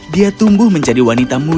dia tumbuh menjadi wanita yang baik